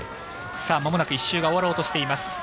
まもなく１周が終わろうとしています。